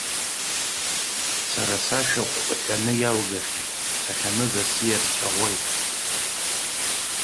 Сара сашәахә ҳәаны иалгахьеит, сахьаныз асиа рҵәаӷәеит.